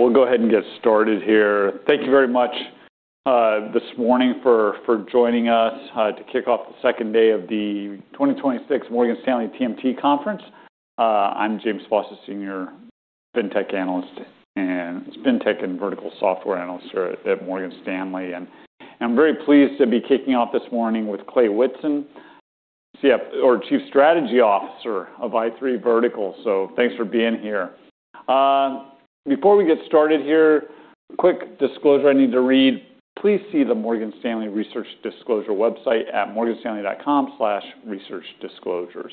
All right, we'll go ahead and get started here. Thank you very much this morning for joining us to kick off the second day of the 2026 Morgan Stanley TMT Conference. I'm James Faucette, Senior Fintech Analyst and Fintech and Vertical Software Analyst here at Morgan Stanley. I'm very pleased to be kicking off this morning with Clay Whitson, Chief Strategy Officer of i3 Verticals. Thanks for being here. Before we get started here, quick disclosure I need to read. Please see the Morgan Stanley Research Disclosure website at morganstanley.com/researchdisclosures.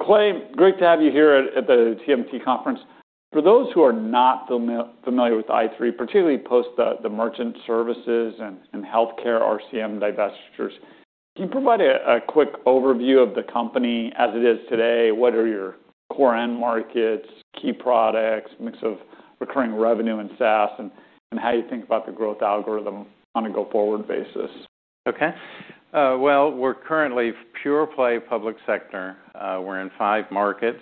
Clay, great to have you here at the TMT Conference. For those who are not familiar with i3, particularly post the Merchant Services and healthcare RCM divestitures, can you provide a quick overview of the company as it is today? What are your core end markets, key products, mix of recurring revenue and SaaS, and how you think about the growth algorithm on a go-forward basis? Well, we're currently pure play public sector. We're in five markets,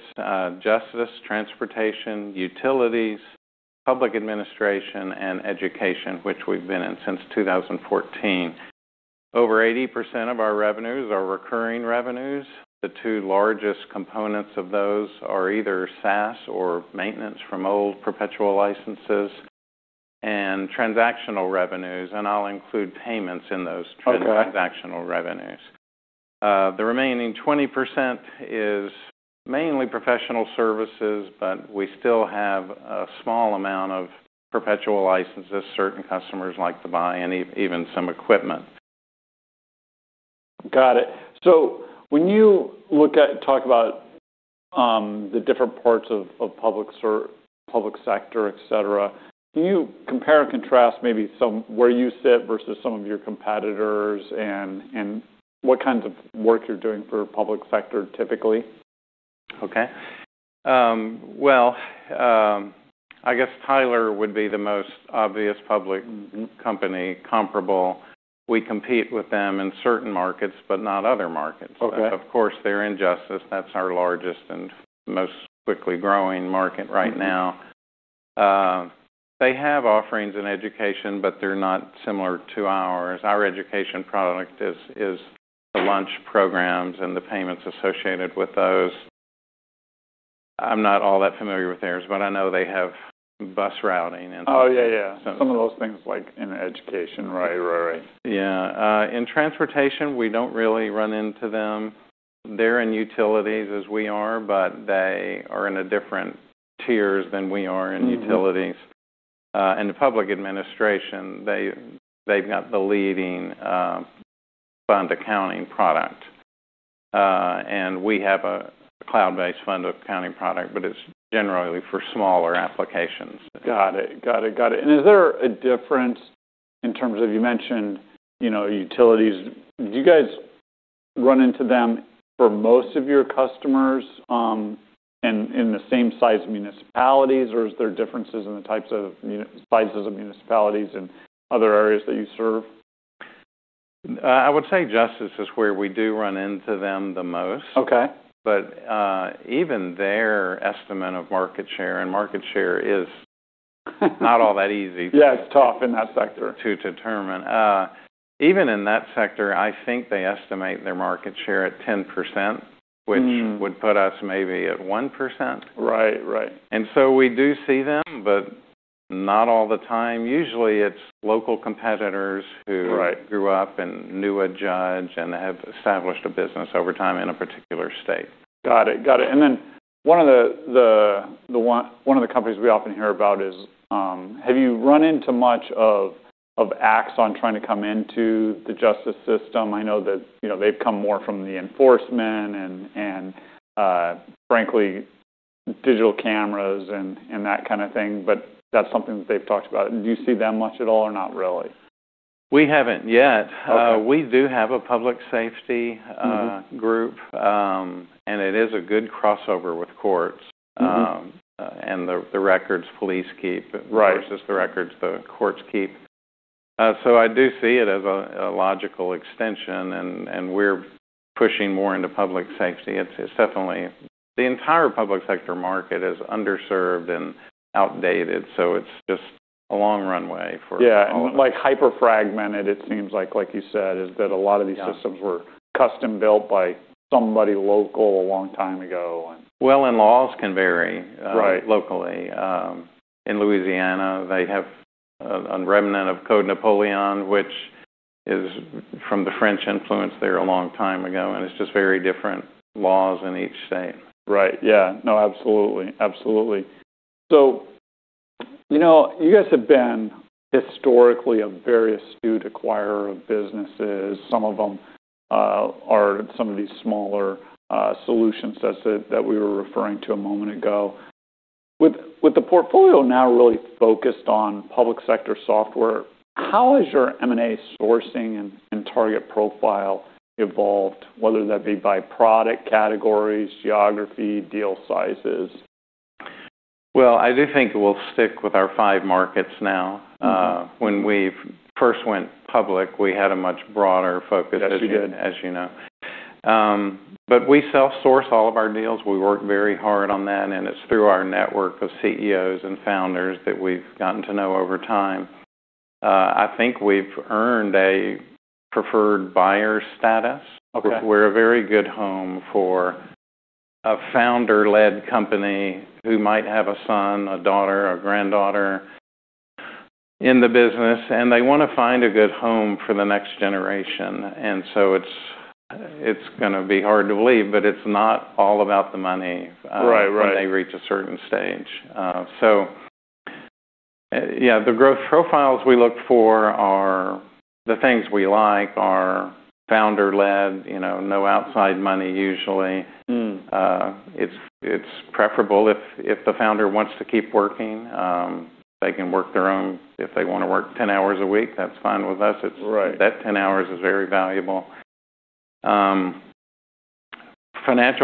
justice, transportation, utilities, public administration, and education, which we've been in since 2014. Over 80% of our revenues are recurring revenues. The two largest components of those are either SaaS or maintenance from old perpetual licenses and transactional revenues. I'll include payments in those. Okay... transactional revenues. The remaining 20% is mainly professional services, but we still have a small amount of perpetual licenses certain customers like to buy and even some equipment. Got it. When you look at... talk about, the different parts of public sector, et cetera, can you compare and contrast maybe some where you sit versus some of your competitors and what kinds of work you're doing for public sector typically? Well, I guess Tyler would be the most obvious public company comparable. We compete with them in certain markets but not other markets. Okay. They're in justice. That's our largest and most quickly growing market right now. They have offerings in education, but they're not similar to ours. Our education product is the lunch programs and the payments associated with those. I'm not all that familiar with theirs, but I know they have bus routing... Oh, yeah. Yeah. Some of those things like in education. Right. Right. Right. Yeah. In transportation, we don't really run into them. They're in utilities as we are, but they are in a different tiers than we are in utilities. In the public administration, they've got the leading fund accounting product. We have a cloud-based fund accounting product, but it's generally for smaller applications. Got it. Got it. Got it. Is there a difference in terms of, you mentioned, you know, utilities, do you guys run into them for most of your customers, and in the same size municipalities, or is there differences in the types of sizes of municipalities and other areas that you serve? I would say justice is where we do run into them the most. Okay. Even their estimate of market share, and market share not all that easy. Yeah, it's tough in that sector.... to determine. Even in that sector, I think they estimate their market share at 10 percent- Mm-hmm... which would put us maybe at 1%. Right. Right. We do see them, but not all the time. Usually, it's local competitors. Right... grew up and knew a judge and have established a business over time in a particular state. Got it. Got it. Then one of the companies we often hear about is, have you run into much of Axon trying to come into the justice system? I know that, you know, they've come more from the enforcement and frankly, digital cameras and that kind of thing, but that's something that they've talked about. Do you see them much at all or not really? We haven't yet. Okay. We do have a public safety. Mm-hmm... group. It is a good crossover with courts. Mm-hmm. The records police keep. Right... versus the records the courts keep. I do see it as a logical extension, and we're pushing more into public safety. It's definitely. The entire public sector market is underserved and outdated. It's just a long runway. Yeah. Like, hyper fragmented, it seems like you said, is that a lot of these systems- Yeah.... were custom built by somebody local a long time ago and... Well, laws can vary. Right... locally. In Louisiana, they have a remnant of Code Napoléon, which is from the French influence there a long time ago, and it's just very different laws in each state. Right. Yeah. No, absolutely. Absolutely. You know, you guys have been historically a very astute acquirer of businesses. Some of them are some of these smaller solutions that we were referring to a moment ago. With the portfolio now really focused on public sector software, how has your M&A sourcing and target profile evolved, whether that be by product categories, geography, deal sizes? Well, I do think we'll stick with our five markets now. Mm-hmm. When we first went public, we had a much broader focus. Yes, you did. as you know. We self-source all of our deals. We work very hard on that. It's through our network of CEOs and founders that we've gotten to know over time. I think we've earned a preferred buyer status. Okay. We're a very good home for a founder-led company who might have a son, a daughter, a granddaughter in the business, and they wanna find a good home for the next generation. It's, it's gonna be hard to believe, but it's not all about the money. Right. Right.... when they reach a certain stage. Yeah. The things we like are founder-led, you know, no outside money usually. Mm. It's preferable if the founder wants to keep working, they can work their own. If they wanna work 10 hours a week, that's fine with us. Right. It's that 10 hours is very valuable. Financial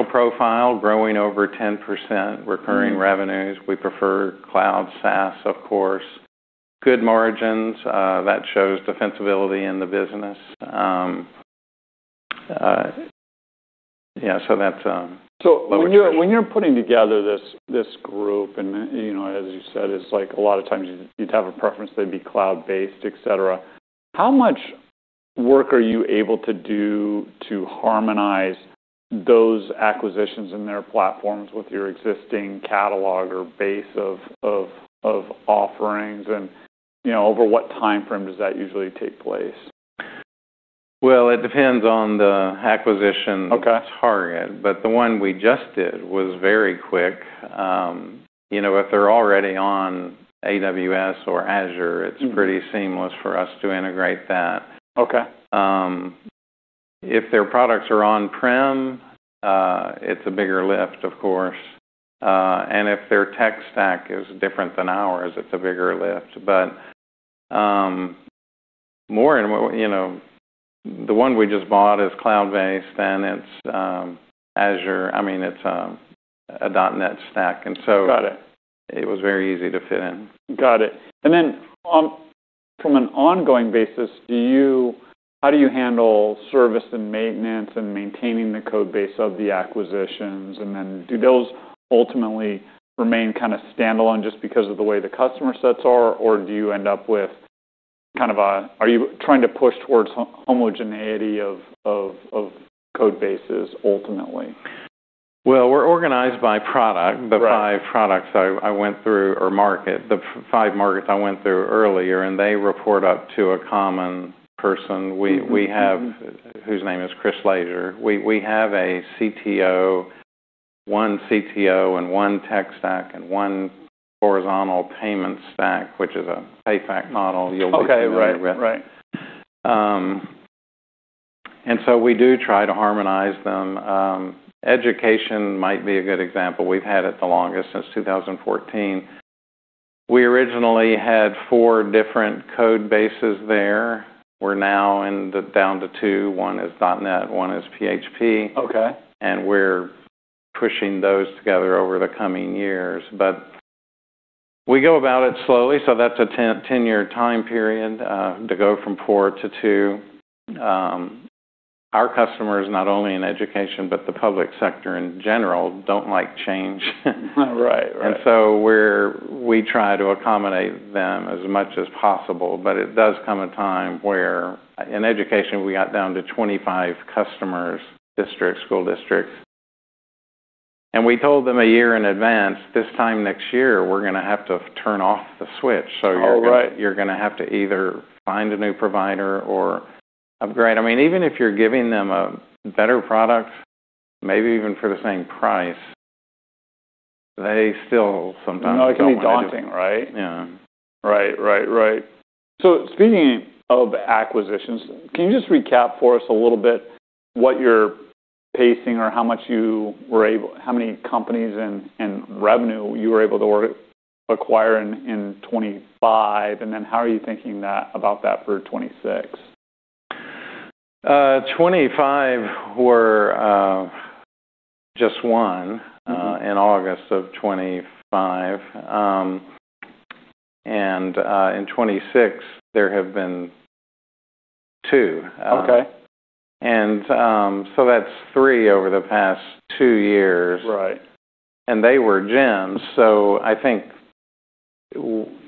profile growing over 10%. Mm... recurring revenues. We prefer cloud SaaS, of course. Good margins, that shows defensibility in the business. Yeah. That's When you're, when you're putting together this group and, you know, as you said, it's like a lot of times you'd have a preference they'd be cloud-based, et cetera. How much work are you able to do to harmonize those acquisitions in their platforms with your existing catalog or base of offerings? You know, over what timeframe does that usually take place? Well, it depends on the acquisition- Okay... target. The one we just did was very quick. you know, if they're already on AWS or Azure. Mm... it's pretty seamless for us to integrate that. Okay. If their products are on-prem, it's a bigger lift, of course. If their tech stack is different than ours, it's a bigger lift. More in what, you know. The one we just bought is cloud-based, and it's Azure. I mean, it's a .NET stack. Got it.... it was very easy to fit in. Got it. On from an ongoing basis, how do you handle service and maintenance and maintaining the code base of the acquisitions? Do those ultimately remain kind of standalone just because of the way the customer sets are, or are you trying to push towards homogeneity of code bases ultimately? Well, we're organized by product. Right. The five products I went through or market, the five markets I went through earlier, and they report up to a common person. Mm-hmm. We have Whose name is Chris Laisure. We have a CTO, one CTO and one tech stack and one horizontal payment stack, which is a PayFac model you'll be familiar with. Okay. Right. Right. We do try to harmonize them. Education might be a good example. We've had it the longest, since 2014. We originally had 4 different code bases there. We're now down to two. One is .NET, one is PHP. Okay. We're pushing those together over the coming years. We go about it slowly, so that's a 10-year time period to go from 4-2. Our customers, not only in education but the public sector in general, don't like change. Right. Right. We try to accommodate them as much as possible, but it does come a time where. In education, we got down to 25 customers, districts, school districts, and we told them a year in advance, "This time next year, we're gonna have to turn off the switch. So you're gonna. All right. You're gonna have to either find a new provider or upgrade." I mean, even if you're giving them a better product, maybe even for the same price, they still sometimes don't want to do it. No, it can be daunting, right? Yeah. Right. Right. Right. speaking of acquisitions, can you just recap for us a little bit what your pacing or how many companies and revenue you were able to acquire in 2025? how are you thinking about that for 2026? 2025 were Mm-hmm... in August of 2025. In 2026, there have been two. Okay. That's three over the past 2 years. Right. They were gems. I think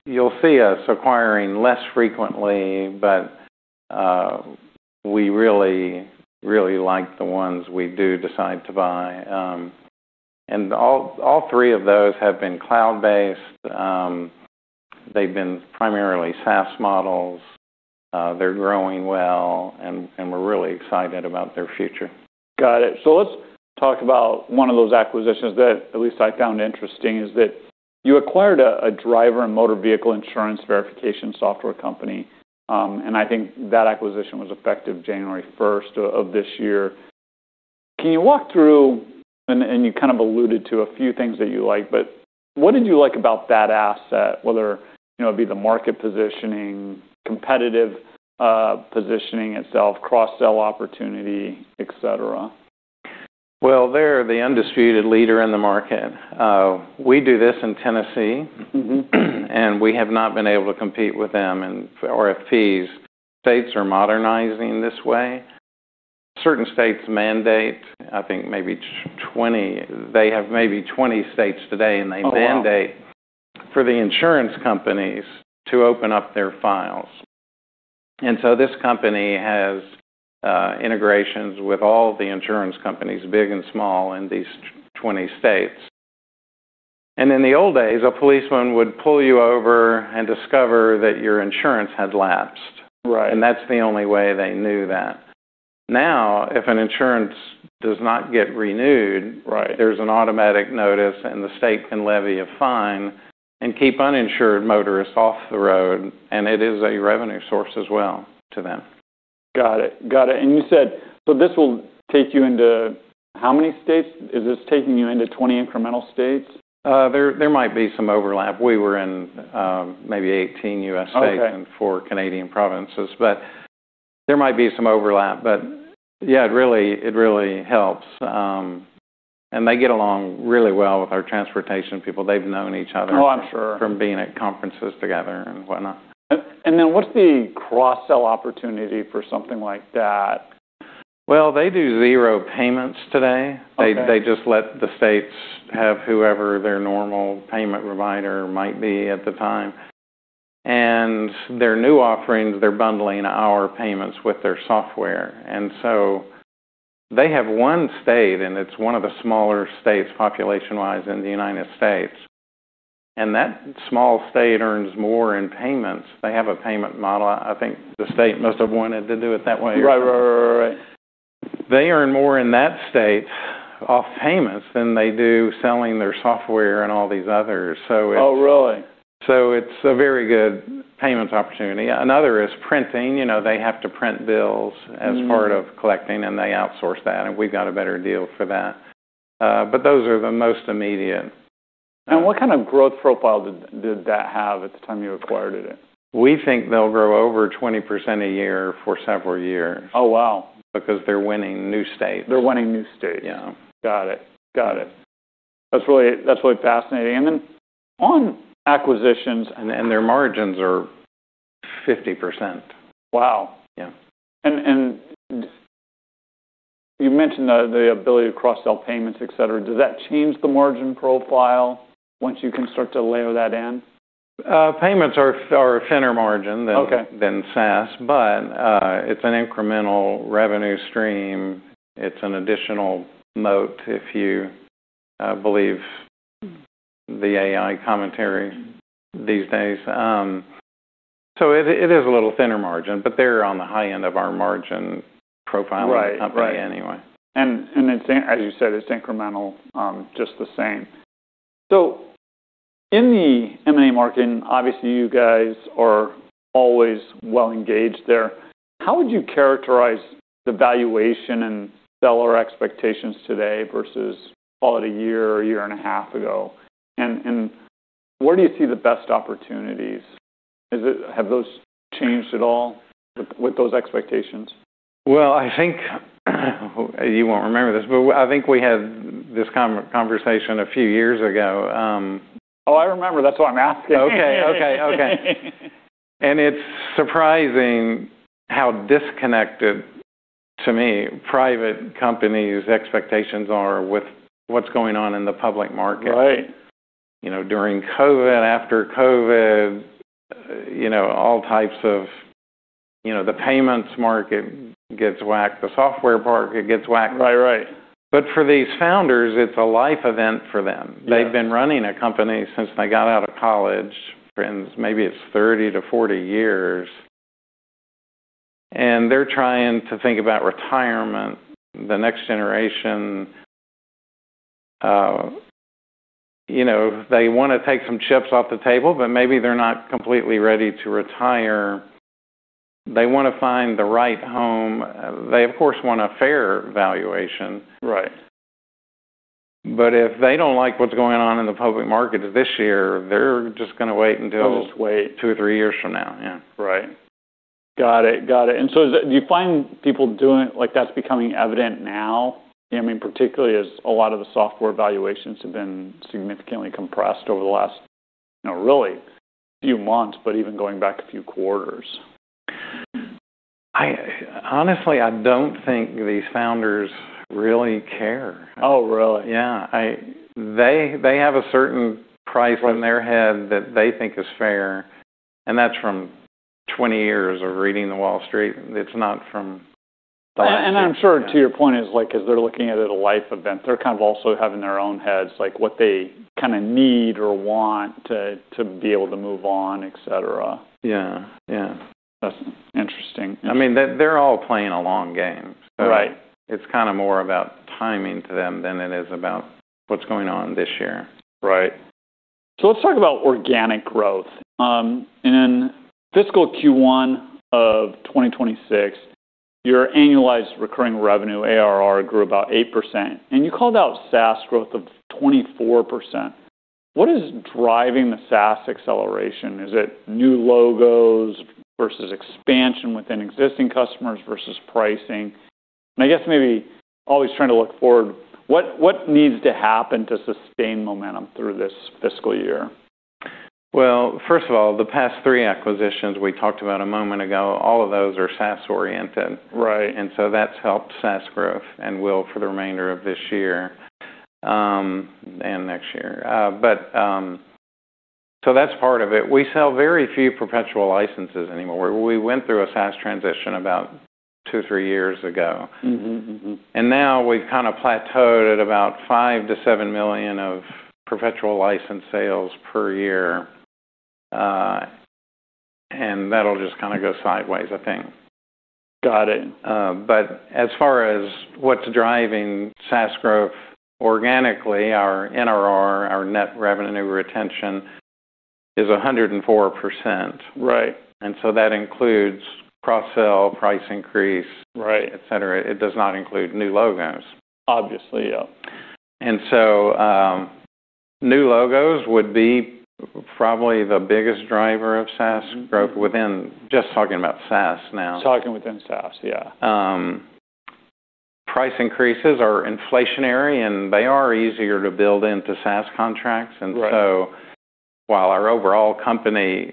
you'll see us acquiring less frequently, but we really, really like the ones we do decide to buy. All three of those have been cloud-based. They've been primarily SaaS models. They're growing well, and we're really excited about their future. Got it. Let's talk about one of those acquisitions that at least I found interesting is that you acquired a driver and motor vehicle insurance verification software company. I think that acquisition was effective January first of this year. Can you walk through... You kind of alluded to a few things that you like, but what did you like about that asset, whether, you know, it'd be the market positioning, competitive positioning itself, cross-sell opportunity, et cetera? Well, they're the undisputed leader in the market. We do this in Tennessee. Mm-hmm... and we have not been able to compete with them in RFPs. States are modernizing this way. Certain states mandate, I think maybe. They have maybe 20 states today. Oh, wow.... mandate for the insurance companies to open up their files. So this company has integrations with all the insurance companies, big and small, in these 20 states. In the old days, a policeman would pull you over and discover that your insurance had lapsed. Right. That's the only way they knew that. Now, if an insurance does not get renewed. Right... there's an automatic notice, and the state can levy a fine and keep uninsured motorists off the road, and it is a revenue source as well to them. Got it. Got it. This will take you into how many states? Is this taking you into 20 incremental states? There might be some overlap. We were in maybe 18 U.S. states. Okay... and four Canadian provinces, but there might be some overlap. Yeah, it really helps. They get along really well with our transportation people. They've known each other. Oh, I'm sure.... from being at conferences together and whatnot. Then what's the cross-sell opportunity for something like that? Well, they do zero payments today. Okay. They just let the states have whoever their normal payment provider might be at the time. Their new offerings, they're bundling our payments with their software. They have one state, and it's one of the smaller states population-wise in the United States, and that small state earns more in payments. They have a payment model. I think the state must have wanted to do it that way. Right. Right. Right. Right. Right. They earn more in that state off payments than they do selling their software and all these others. Oh, really? It's a very good payments opportunity. Another is printing. You know, they have to print. Mm-hmm... as part of collecting, and they outsource that, and we've got a better deal for that. Those are the most immediate. What kind of growth profile did that have at the time you acquired it? We think they'll grow over 20% a year for several years. Oh, wow. Because they're winning new states. They're winning new states. Yeah. Got it. Got it. That's really fascinating. On acquisitions- Their margins are 50%. Wow. Yeah. You mentioned the ability to cross-sell payments, et cetera. Does that change the margin profile once you can start to layer that in? Payments are thinner margin. Okay... than SaaS, but, it's an incremental revenue stream. It's an additional moat if you believe the AI commentary these days. It is a little thinner margin, but they're on the high end of our margin profile- Right. Right.... in the company anyway. It's, as you said, it's incremental, just the same. In the M&A market, and obviously you guys are always well engaged there, how would you characterize the valuation and seller expectations today versus call it a year, a year and a half ago? Where do you see the best opportunities? Have those changed at all with those expectations? I think, you won't remember this, but I think we had this conversation a few years ago. Oh, I remember. That's why I'm asking. Okay. Okay. Okay. It's surprising how disconnected, to me, private companies' expectations are with what's going on in the public market. Right. You know, during COVID, after COVID, you know. You know, the payments market gets whacked. The software market gets whacked. Right. Right. For these founders, it's a life event for them. Yeah. They've been running a company since they got out of college, and maybe it's 30-40 years, and they're trying to think about retirement, the next generation. You know, they wanna take some chips off the table, but maybe they're not completely ready to retire. They wanna find the right home. They, of course, want a fair valuation. Right. If they don't like what's going on in the public markets this year, they're just gonna wait until- They'll just wait.... two or three years from now, yeah. Right. Got it. Got it. Do you find people doing, like, that's becoming evident now? I mean, particularly as a lot of the software valuations have been significantly compressed over the last, you know, really few months, but even going back a few quarters. Honestly, I don't think these founders really care. Oh, really? Yeah. They have a certain price in their head that they think is fair, and that's from 20 years of reading The Wall Street. It's not from. I'm sure to your point is, like, as they're looking at it a life event, they're kind of also have in their own heads, like, what they kinda need or want to be able to move on, et cetera. Yeah. Yeah. That's interesting. I mean, they're all playing a long game. Right. It's kinda more about timing to them than it is about what's going on this year. Right. Let's talk about organic growth. In fiscal Q1 of 2026, your annualized recurring revenue, ARR, grew about 8%, and you called out SaaS growth of 24%. What is driving the SaaS acceleration? Is it new logos versus expansion within existing customers versus pricing? I guess maybe always trying to look forward, what needs to happen to sustain momentum through this fiscal year? Well, first of all, the past three acquisitions we talked about a moment ago, all of those are SaaS-oriented. Right. That's helped SaaS growth and will for the remainder of this year, and next year. That's part of it. We sell very few perpetual licenses anymore. We went through a SaaS transition about two, three years ago. Mm-hmm, mm-hmm. Now we've kind of plateaued at about $5 million-$7 million of perpetual license sales per year. That'll just kind of go sideways, I think. Got it. As far as what's driving SaaS growth organically, our NRR, our Net Revenue Retention is 104%. Right. That includes cross-sell. Right et cetera. It does not include new logos. Obviously, yeah. New logos would be probably the biggest driver of SaaS growth within. Just talking about SaaS now. Talking within SaaS, yeah. Price increases are inflationary, and they are easier to build into SaaS contracts. Right. While our overall company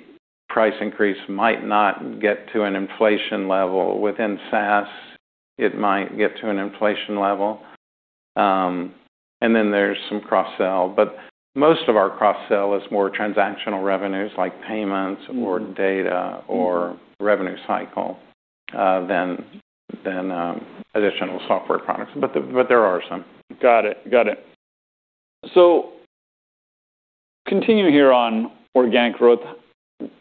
price increase might not get to an inflation level within SaaS, it might get to an inflation level. There's some cross-sell, but most of our cross-sell is more transactional revenues like payments or data or revenue cycle than additional software products, but there are some. Got it. Got it. Continuing here on organic growth,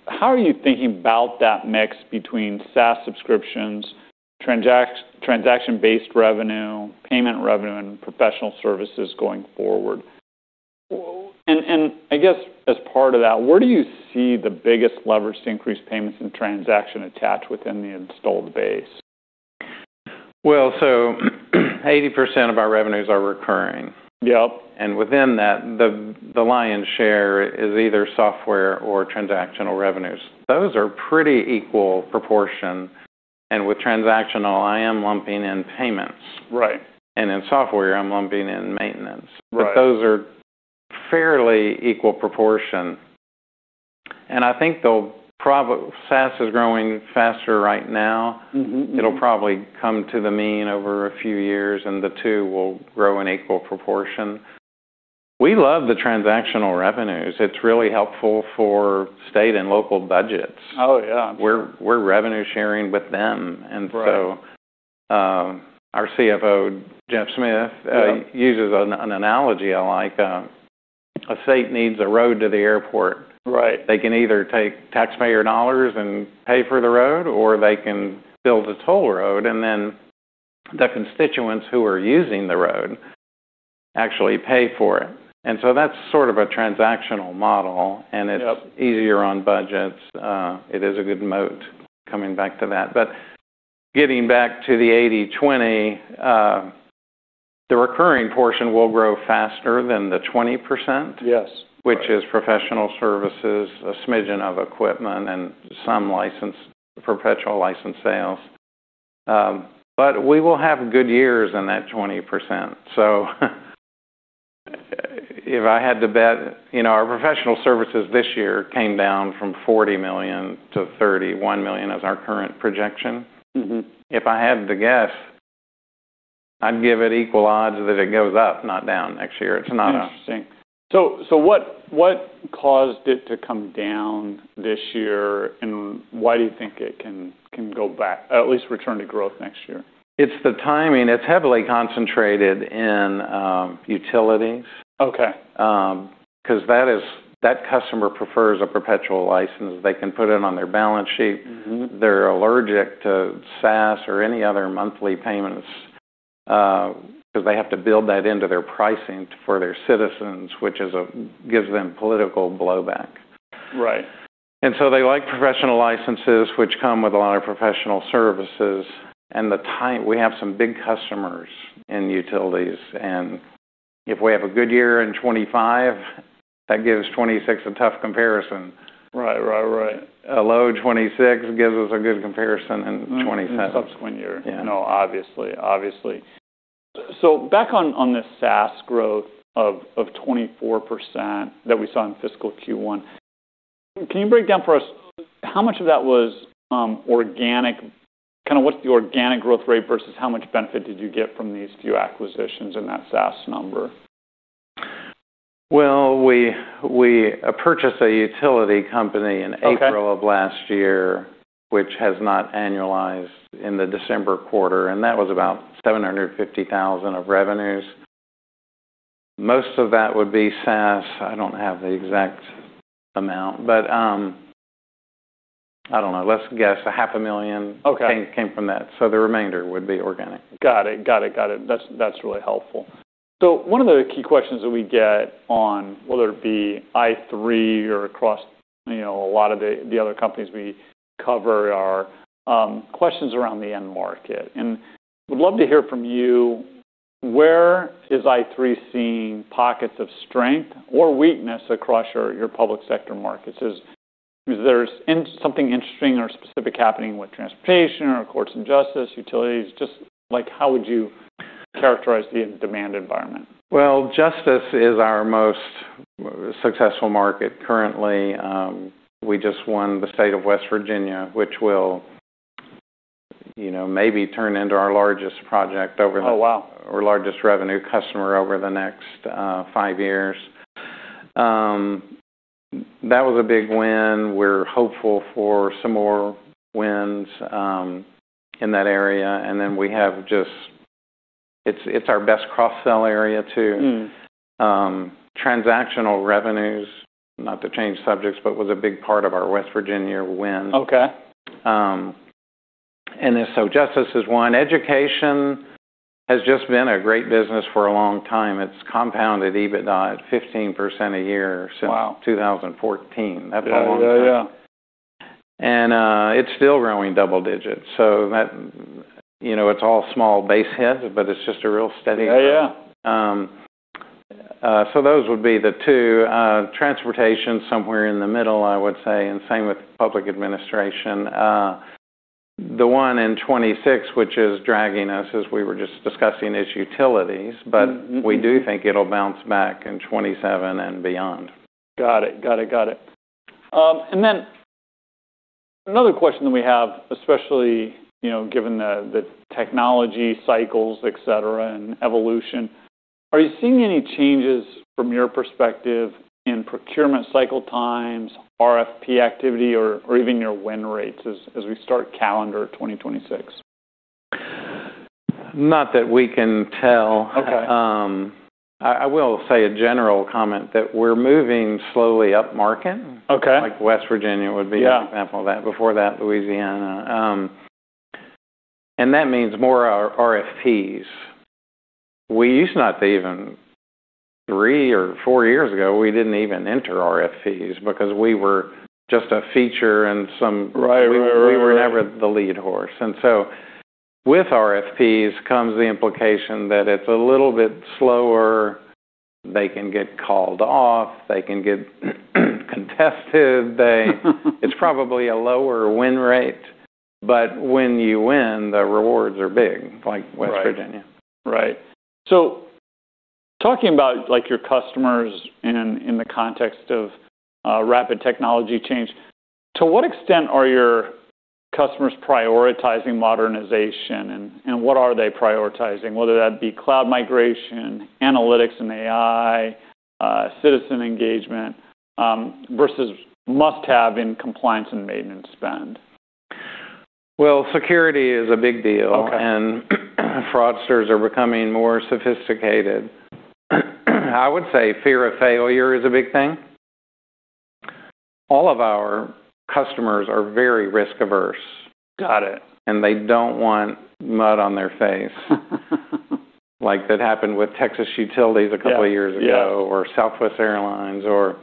how are you thinking about that mix between SaaS subscriptions, transaction-based revenue, payment revenue, and professional services going forward? I guess as part of that, where do you see the biggest leverage to increase payments and transaction attached within the installed base? 80% of our revenues are recurring. Yep. Within that, the lion's share is either software or transactional revenues. Those are pretty equal proportion. With transactional, I am lumping in payments. Right. In software, I'm lumping in maintenance. Right. those are fairly equal proportion. I think SaaS is growing faster right now. Mm-hmm. It'll probably come to the mean over a few years. The two will grow in equal proportion. We love the transactional revenues. It's really helpful for state and local budgets. Oh, yeah. We're revenue sharing with them. Right. our CFO, Geoff Smith Yeah uses an analogy I like. A state needs a road to the airport. Right. They can either take taxpayer dollars and pay for the road, or they can build a toll road, and then the constituents who are using the road actually pay for it. That's sort of a transactional model. Yep It's easier on budgets. It is a good moat coming back to that. Getting back to the 80/20, the recurring portion will grow faster than the 20%- Yes. Right.... which is professional services, a smidgen of equipment, and some license, perpetual license sales. We will have good years in that 20%. If I had to bet, you know, our professional services this year came down from $40 million-$31 million is our current projection. Mm-hmm. If I had to guess, I'd give it equal odds that it goes up, not down next year. It's not. Interesting. What caused it to come down this year, and why do you think it can go back at least return to growth next year? It's the timing. It's heavily concentrated in utilities. Okay. 'Cause that customer prefers a perpetual license. They can put it on their balance sheet. Mm-hmm. They're allergic to SaaS or any other monthly payments, 'cause they have to build that into their pricing for their citizens, which gives them political blowback. Right. They like professional licenses, which come with a lot of professional services. We have some big customers in utilities, and if we have a good year in 2025, that gives 2026 a tough comparison. Right. Right. Right. A low 2026 gives us a good comparison in 2027. In subsequent year. Yeah. No, obviously. Obviously. Back on the SaaS growth of 24% that we saw in fiscal Q1, can you break down for us how much of that was organic? Kind of what's the organic growth rate versus how much benefit did you get from these few acquisitions in that SaaS number? Well, we purchased a utility company in April. Okay... of last year, which has not annualized in the December quarter, and that was about $750,000 of revenues. Most of that would be SaaS. I don't have the exact amount, but I don't know, let's guess a half a million. Okay... came from that. The remainder would be organic. Got it. Got it. Got it. That's really helpful. One of the key questions that we get on whether it be i3 or across. You know, a lot of the other companies we cover are questions around the end market. Would love to hear from you, where is i3 seeing pockets of strength or weakness across your public sector markets? Is there something interesting or specific happening with transportation or courts and justice, utilities? Just like how would you characterize the demand environment? Well, justice is our most successful market currently. We just won the state of West Virginia, which will, you know, maybe turn into our largest project. Oh, wow. Our largest revenue customer over the next, five years. That was a big win. We're hopeful for some more wins, in that area. We have just... It's, it's our best cross-sell area, too. Mm. Transactional revenues, not to change subjects, but was a big part of our West Virginia win. Okay. Justice is one. Education has just been a great business for a long time. It's compounded EBITDA at 15% a year. Wow. -since two thousand and fourteen. Yeah. Yeah, yeah. That's a long time. It's still growing double digits, you know, it's all small base hit, but it's just a real steady- Yeah, yeah. Those would be the two. Transportation somewhere in the middle, I would say, and same with public administration. The one in 26, which is dragging us as we were just discussing, is utilities... Mm-hmm. We do think it'll bounce back in 2027 and beyond. Got it. Got it. Got it. Another question that we have, especially, you know, given the technology cycles, et cetera, and evolution, are you seeing any changes from your perspective in procurement cycle times, RFP activity or even your win rates as we start calendar 2026? Not that we can tell. Okay. I will say a general comment that we're moving slowly up market. Okay. Like West Virginia would be- Yeah. -an example of that. Before that, Louisiana. That means more RFPs. Three or four years ago, we didn't even enter RFPs because we were just a feature and some. Right. Right. Right. We were never the lead horse. With RFPs comes the implication that it's a little bit slower. They can get called off. They can get contested. It's probably a lower win rate. When you win, the rewards are big, like West Virginia. Right. Right. Talking about like your customers in the context of rapid technology change, to what extent are your customers prioritizing modernization and what are they prioritizing? Whether that be cloud migration, analytics and AI, citizen engagement, versus must-have in compliance and maintenance spend. Well, security is a big deal. Okay. Fraudsters are becoming more sophisticated. I would say fear of failure is a big thing. All of our customers are very risk-averse. Got it. They don't want mud on their face. Like that happened with Texas Utilities a couple years ago. Yeah. Yeah. -or Southwest Airlines or.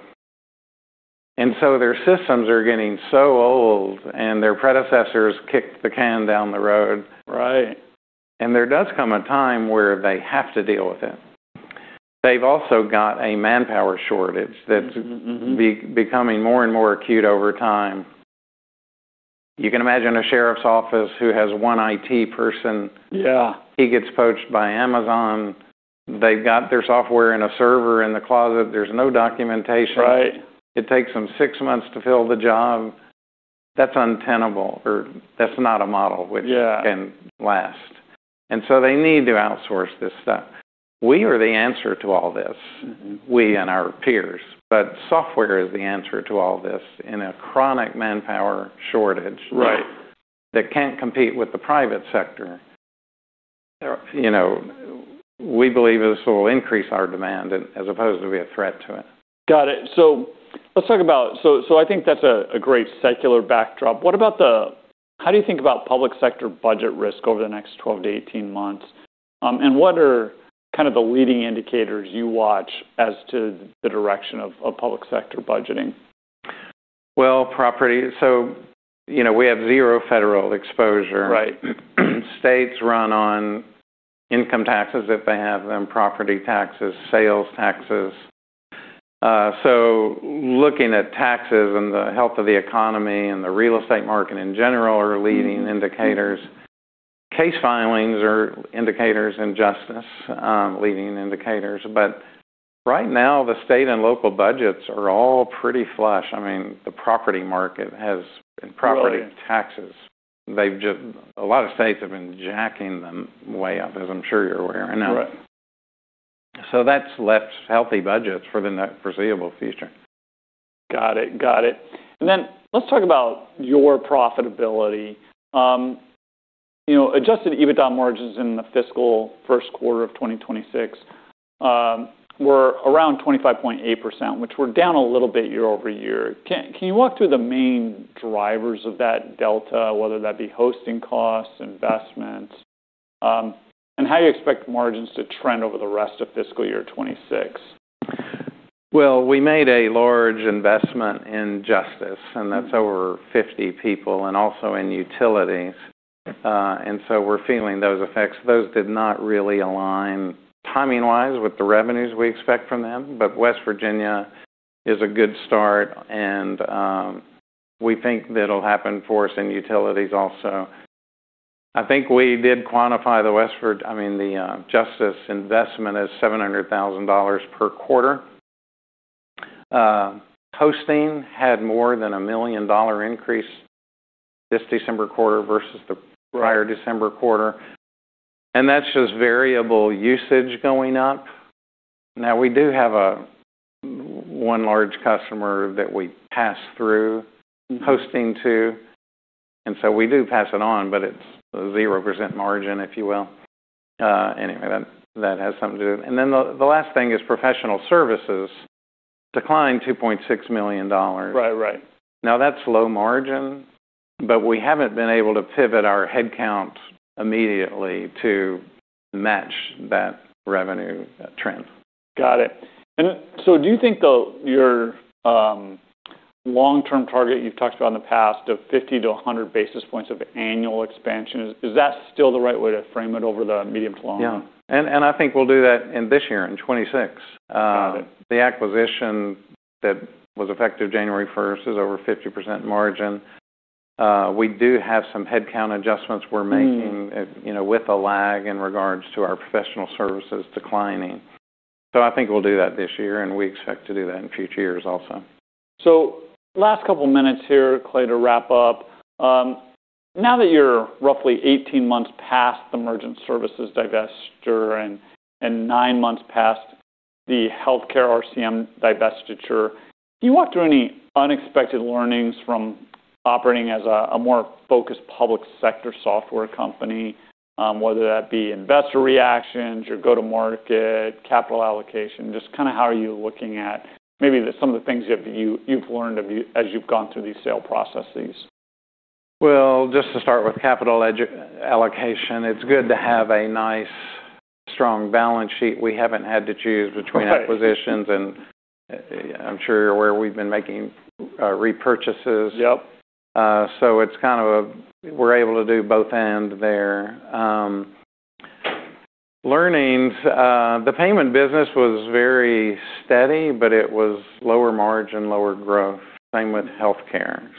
Their systems are getting so old and their predecessors kicked the can down the road. Right. There does come a time where they have to deal with it. They've also got a manpower shortage that's. Mm-hmm, mm-hmm. becoming more and more acute over time. You can imagine a sheriff's office who has one IT person. Yeah. He gets poached by Amazon. They've got their software in a server in the closet. There's no documentation. Right. It takes them 6 months to fill the job. That's untenable or that's not a model which- Yeah. can last. They need to outsource this stuff. We are the answer to all this. Mm-hmm. We and our peers, software is the answer to all this in a chronic manpower shortage. Right. that can't compete with the private sector. You know, we believe this will increase our demand as opposed to be a threat to it. Got it. let's talk about... I think that's a great secular backdrop. How do you think about public sector budget risk over the next 12-18 months? What are kind of the leading indicators you watch as to the direction of public sector budgeting? Well, you know, we have zero federal exposure. Right. States run on income taxes if they have them, property taxes, sales taxes. Looking at taxes and the health of the economy and the real estate market in general are leading indicators. Case filings are indicators in justice, leading indicators. Right now, the state and local budgets are all pretty flush. I mean, the property market. Right. Property taxes, they've just. A lot of states have been jacking them way up, as I'm sure you're aware. Right. That's left healthy budgets for the foreseeable future. Got it. Then let's talk about your profitability. you know, Adjusted EBITDA margins in the fiscal first quarter of 2026 were around 25.8%, which were down a little bit year-over-year. Can you walk through the main drivers of that delta, whether that be hosting costs, investments? How do you expect margins to trend over the rest of fiscal year 2026? We made a large investment in Justice, and that's over 50 people, and also in Utilities. We're feeling those effects. Those did not really align timing-wise with the revenues we expect from them, West Virginia is a good start, we think that'll happen for us in Utilities also. I think we did quantify I mean, the Justice investment as $700,000 per quarter. Hosting had more than a $1 million increase this December quarter versus the prior December quarter, that's just variable usage going up. We do have one large customer that we pass through hosting to, we do pass it on, it's 0% margin, if you will. That has something to do. The last thing is professional services declined $2.6 million. Right. Right. Now, that's low margin, but we haven't been able to pivot our headcounts immediately to match that revenue trend. Got it. Do you think, though, your long-term target you've talked about in the past of 50-100 basis points of annual expansion, is that still the right way to frame it over the medium to long run? Yeah. I think we'll do that in this year, in 2026. Got it. The acquisition that was effective January first is over 50% margin. We do have some headcount adjustments we're making. Mm. you know, with a lag in regards to our professional services declining. I think we'll do that this year, and we expect to do that in future years also. Last couple minutes here, Clay, to wrap up. Now that you're roughly 18 months past the Merchant Services divestiture and nine months past the healthcare RCM divestiture, do you walk through any unexpected learnings from operating as a more focused public sector software company, whether that be investor reactions, your go-to-market, capital allocation? Just kind of how are you looking at maybe some of the things you've learned as you've gone through these sale processes. Well, just to start with capital allocation, it's good to have a nice, strong balance sheet. We haven't had to choose. Right. -acquisitions, and I'm sure you're aware we've been making repurchases. Yep. It's kind of a we're able to do both/and there. Learnings. The payment business was very steady, but it was lower margin, lower growth. Same with healthcare.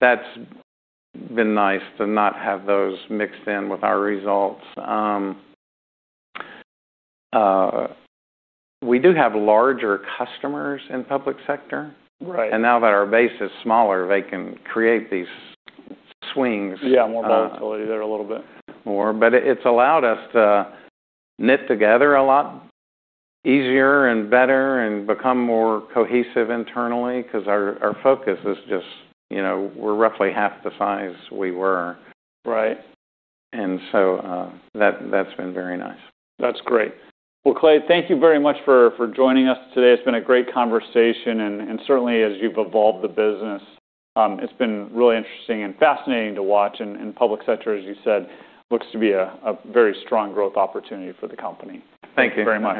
That's been nice to not have those mixed in with our results. We do have larger customers in public sector. Right. Now that our base is smaller, they can create these swings. Yeah, more volatility there a little bit. More. It's allowed us to knit together a lot easier and better and become more cohesive internally 'cause our focus is just, you know, we're roughly half the size we were. Right. That's been very nice. That's great. Well, Clay, thank you very much for joining us today. It's been a great conversation, and certainly as you've evolved the business, it's been really interesting and fascinating to watch. Public sector, as you said, looks to be a very strong growth opportunity for the company. Thank you. Thanks very much.